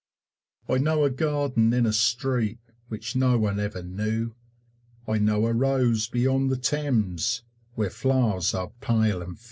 I know a garden in a street Which no one ever knew; I know a rose beyond the Thames, Where flowers are pale and few.